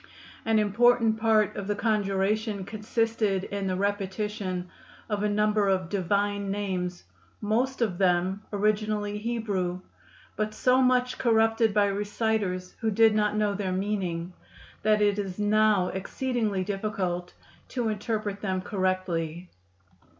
An important part of the conjuration consisted in the repetition of a number of divine names, most of them originally Hebrew, but so much corrupted by reciters who did not know their meaning that it is now exceedingly difficult to interpret them correctly.